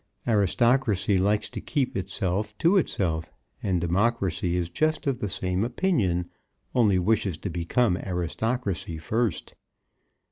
Aristocracy likes to keep itself to itself; and democracy is just of the same opinion, only wishes to become aristocracy first.